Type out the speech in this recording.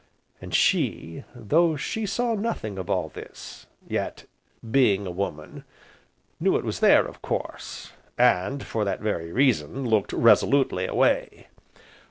And she, though she saw nothing of all this, yet, being a woman, knew it was there, of course, and, for that very reason, looked resolutely away.